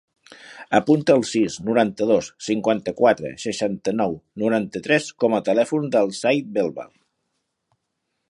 Apunta el sis, noranta-dos, cinquanta-quatre, seixanta-nou, noranta-tres com a telèfon del Zayd Belmar.